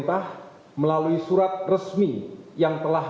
kami yang telah